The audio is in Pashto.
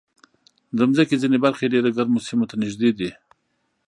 د مځکې ځینې برخې ډېر ګرمو سیمو ته نږدې دي.